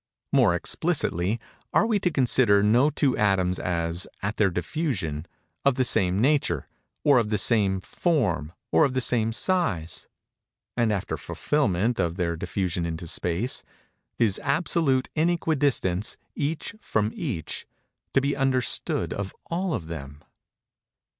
More explicitly—are we to consider no two atoms as, at their diffusion, of the same nature, or of the same form, or of the same size?—and, after fulfilment of their diffusion into Space, is absolute inequidistance, each from each, to be understood of all of them?